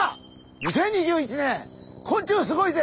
２０２１年「昆虫すごいぜ！」